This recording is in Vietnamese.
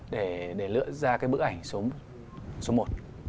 để lựa ra cái bức ảnh số một